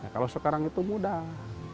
kalau sekarang itu mudah